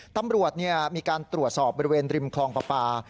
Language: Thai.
ตำรวจมีการตรวจสอบบริเวณริมคลองปลาปลา